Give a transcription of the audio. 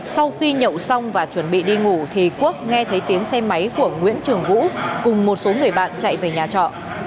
sau khi nhậu xong và chuẩn bị đi ngủ thì quốc nghe thấy tiếng xe máy của nguyễn trường vũ cùng một số người bạn chạy về nhà trọ